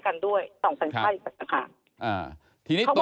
๒สัญชาติอีกสัญชาตินะคะ